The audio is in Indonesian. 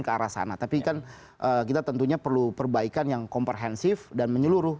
masa anak tapi kan kita tentunya perlu perbaikan yang komprehensif dan menyeluruh